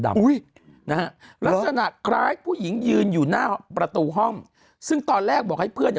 นะฮะลักษณะคล้ายผู้หญิงยืนอยู่หน้าประตูห้องซึ่งตอนแรกบอกให้เพื่อน